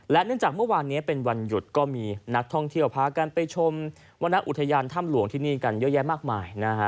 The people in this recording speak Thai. เนื่องจากเมื่อวานนี้เป็นวันหยุดก็มีนักท่องเที่ยวพากันไปชมวรรณอุทยานถ้ำหลวงที่นี่กันเยอะแยะมากมายนะฮะ